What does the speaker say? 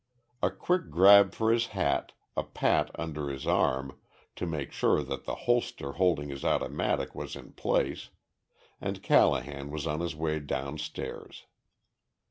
A quick grab for his hat, a pat under his arm, to make sure that the holster holding the automatic was in place, and Callahan was on his way downstairs.